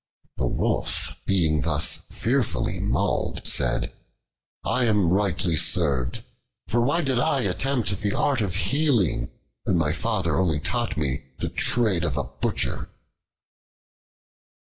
The Wolf, being thus fearfully mauled, said, "I am rightly served, for why did I attempt the art of healing, when my father only taught me the trade of a butcher?"